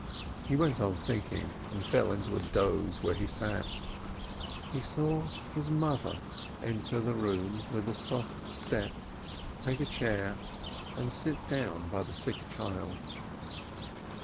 He went on thinking, and fell into a doze where he sat. He saw his mother enter the room with a soft step, take a chair, and sit down by the sick child.